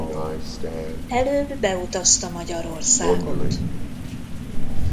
Előbb beutazta Magyarországot.